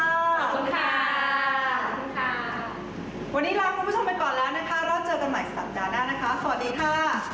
ขอบคุณค่ะวันนี้ลาคุณผู้ชมไปก่อนแล้วนะคะเราเจอกันใหม่สัปดาห์หน้านะคะสวัสดีค่ะ